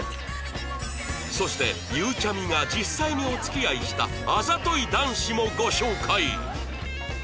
そしてゆうちゃみが実際にお付き合いしたあざとい男子もご紹介